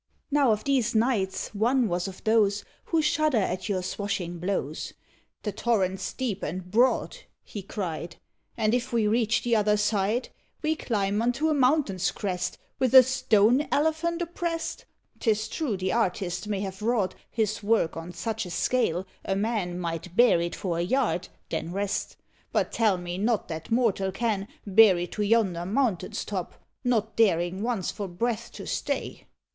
Now of these knights one was of those Who shudder at your swashing blows. "The torrent's deep and broad," he cried; "And if we reach the other side? Why climb unto a mountain's crest, With a stone elephant opprest? 'Tis true the artist may have wrought His work on such a scale, a man Might bear it for a yard, then rest; But tell me not that mortal can Bear it to yonder mountain's top, Not daring once for breath to stay.